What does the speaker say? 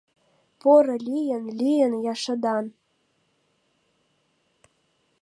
Поро лийын, лийын я шыдан